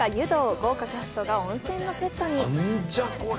豪華キャストが温泉のセットに。